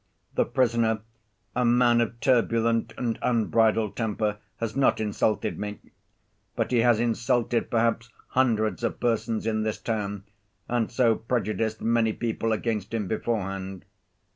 The prisoner, a man of turbulent and unbridled temper, has not insulted me. But he has insulted perhaps hundreds of persons in this town, and so prejudiced many people against him beforehand.